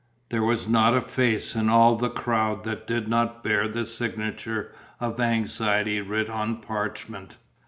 There was not a face in all the crowd that did not bear the signature of Anxiety writ on parchment.